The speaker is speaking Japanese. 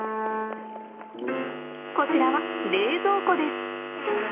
こちらは冷蔵庫です。